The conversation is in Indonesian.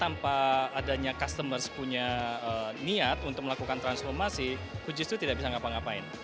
tanpa adanya customer punya niat untuk melakukan transformasi fujitsu tidak bisa ngapa ngapain